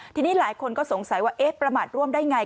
ทีนี้หลายคนก็สงสัยว่าประมาทร่วมได้อย่างไร